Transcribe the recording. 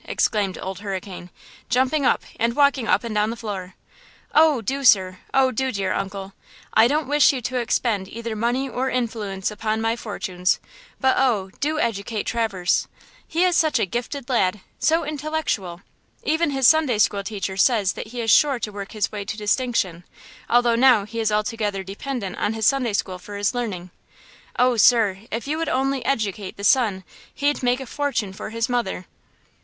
exclaimed Old Hurricane, jumping up and walking up and down the floor. "Oh, do, sir! Oh, do, dear uncle! I don't wish you to expend either money or influence upon my fortunes; but, oh, do educate Traverse! He is such a gifted lad–so intellectual! Even his Sunday school teacher says that he is sure to work his way to distinction, although now he is altogether dependent on his Sunday school for his learning. Oh, sir, if you would only educate the son he'd make a fortune for his mother."